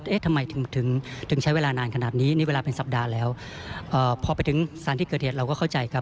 เอ๊ะทำไมถึงถึงใช้เวลานานขนาดนี้นี่เวลาเป็นสัปดาห์แล้วพอไปถึงสารที่เกิดเหตุเราก็เข้าใจครับ